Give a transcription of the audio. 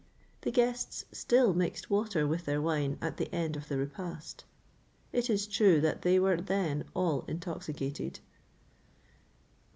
the guests still mixed water with their wine at the end of the repast.[XXVIII 27] It is true that they were then all intoxicated.